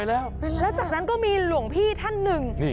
แล้วจากนั้นก็มีหลวงพี่ท่านหนึ่ง